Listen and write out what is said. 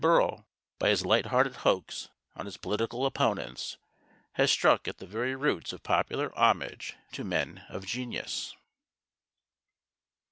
Bérault, by his light hearted hoax on his political opponents, has struck at the very roots of popular homage to men of genius.